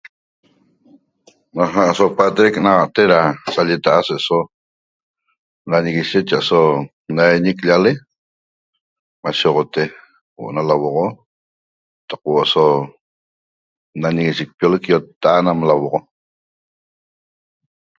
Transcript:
Aja' so pa'atec naxa'ate ra salleta'a se'eso naniguishe cha aso naiñic llale mashe sogote huo'o na lauoxo taq huo'o so naniguishecpiolec iottat'at nam lauoxo